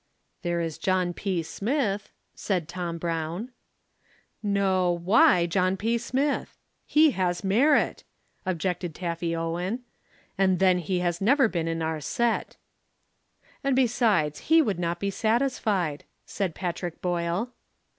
"There is John P. Smith," said Tom Brown. "No, why John P. Smith? He has merit," objected Taffy Owen. "And then he has never been in our set." "And besides he would not be satisfied," said Patrick Boyle.